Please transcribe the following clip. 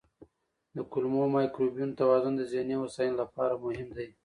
د کولمو مایکروبیوم توازن د ذهني هوساینې لپاره مهم دی.